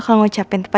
terima kasih ya